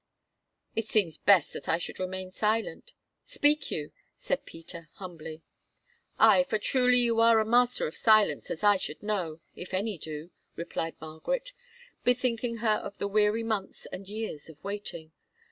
"It seems best that I should remain silent. Speak you," said Peter humbly. "Aye, for truly you are a master of silence, as I should know, if any do," replied Margaret, bethinking her of the weary months and years of waiting.